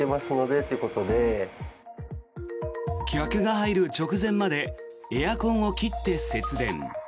客が入る直前までエアコンを切って節電。